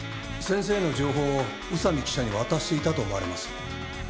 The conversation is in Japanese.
先生の情報を宇佐美記者に渡していたと思われます。